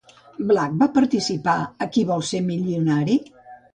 Black va participar a "Qui vol ser milionari?"